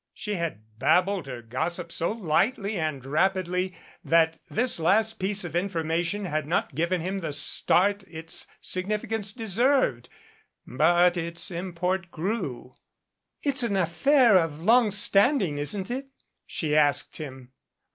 She had babbled her gossip so lightly and rapidly that this last piece of information had not given him the start its significance deserved. But its import grew. "It's an affair of long standing, isn't it?" she asked him.